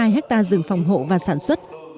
một trăm linh hai ha rừng phòng hộ và sản xuất